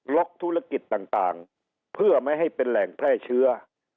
ธุรกิจต่างเพื่อไม่ให้เป็นแหล่งแพร่เชื้อ